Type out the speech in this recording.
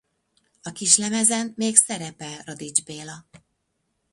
A kislemezen még szerepel Radics Béla.